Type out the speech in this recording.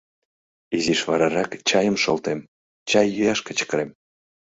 Изиш варарак чайым шолтем, чай йӱаш кычкырем.